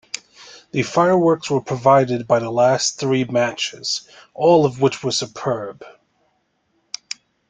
The fireworks were provided by the last three matches, all of which were superb.